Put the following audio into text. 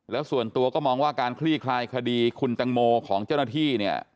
แล้วส่วนตัวก็มองว่าการคลี่คลายคดีคุณตังโมของเจ้าหน้าที่เนี่ย